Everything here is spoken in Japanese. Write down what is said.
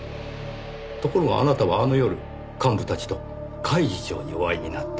ところがあなたはあの夜幹部たちと甲斐次長にお会いになっていた。